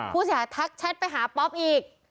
ผู้เสียหายทักแชทไปหาป๊อปอีก